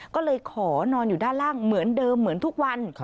ก็เลยขอนอนอยู่ด้านล่างเหมือนเดิมเหมือนทุกวัน